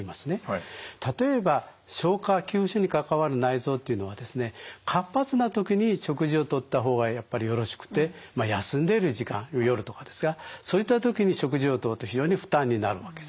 例えば消化吸収に関わる内臓というのは活発な時に食事をとった方がやっぱりよろしくてまあ休んでいる時間夜とかですがそういった時に食事をとると非常に負担になるわけですね。